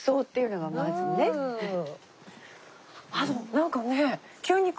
何かね